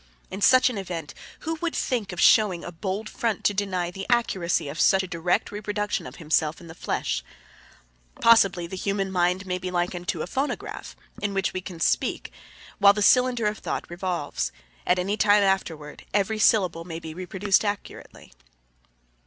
In such an event who would think of showing a bold front to deny the accuracy of such a direct reproduction of himself in the flesh! Possibly the human mind may be likened to a phonograph into which we can speak while the cylinder of thought revolves; at any time afterward every syllable may be reproduced accurately.